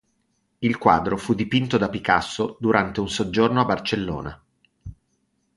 Il quadro fu dipinto da Picasso durante un soggiorno a Barcellona.